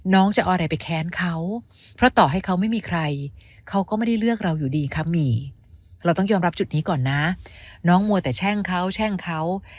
น้องจะเอาอะไรไปแค้นเขา